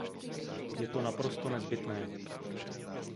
Je to naprosto nezbytné.